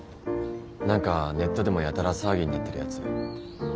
何かネットでもやたら騒ぎになってるやつ。